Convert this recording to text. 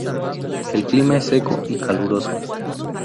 El clima es seco y caluroso.